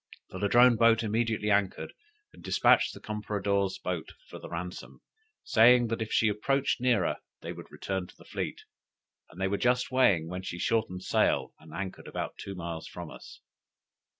The Ladrone boat immediately anchored, and dispatched the compradore's boat for the ransom, saying, that if she approached nearer they would return to the fleet; and they were just weighing when she shortened sail, and anchored about two miles from us.